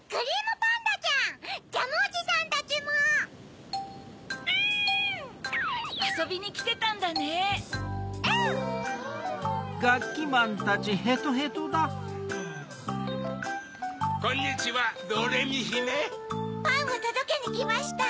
パンをとどけにきました。